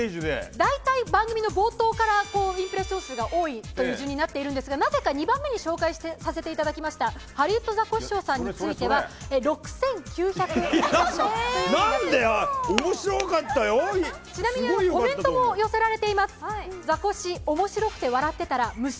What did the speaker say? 大体、番組の冒頭からインプレッション数が多いとなっているんですがなぜか２番目に紹介させていただきましたハリウッドザコシショウさんについては６９００インプレッションとなっています。